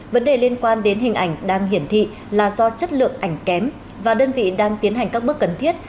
vấn đề liên quan đến hình ảnh đang hiển thị là do chất lượng ảnh kém và đơn vị đang tiến hành các bước cần thiết